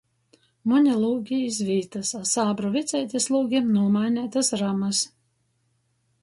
Muni lūgi iz vītys, a sābru vecineitis lūgim nūmaineitys ramys.